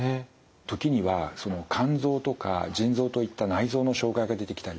時には肝臓とか腎臓といった内臓の障害が出てきたりとかですね